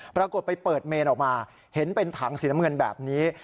ปรากฏไปเปิดเมนออกมาเห็นเป็นถังสีน้ำเงินแบบนี้